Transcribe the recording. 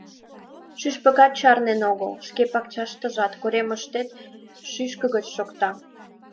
Шӱшпыкат чарнен огыл, шке пакчаштыжат, коремыштет шӱшкыгыч шокта.